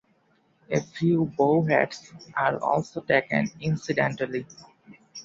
A few bowheads are also taken incidentally.